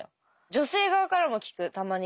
女性側からも聞くたまに。